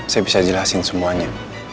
saya bisa jelasin semuanya